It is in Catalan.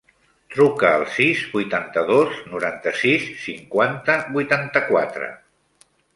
Truca al sis, vuitanta-dos, noranta-sis, cinquanta, vuitanta-quatre.